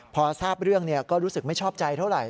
พอทราบเรื่องก็รู้สึกไม่ชอบใจเท่าไหร